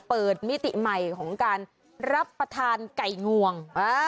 มิติใหม่ของการรับประทานไก่งวง